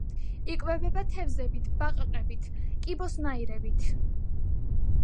იკვებება თევზებით, ბაყაყებით, კიბოსნაირებით.